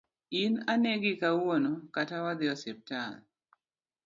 In anegi kawuono kata wadhi osiptal